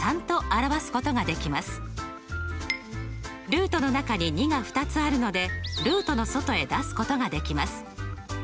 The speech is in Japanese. ルートの中に２が２つあるのでルートの外へ出すことができます。